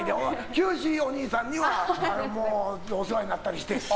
聖志お兄さんにはお世話になったりして。